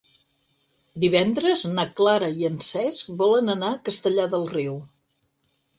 Divendres na Clara i en Cesc volen anar a Castellar del Riu.